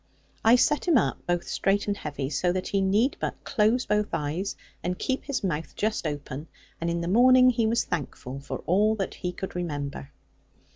I set him up, both straight and heavy, so that he need but close both eyes, and keep his mouth just open; and in the morning he was thankful for all that he could remember.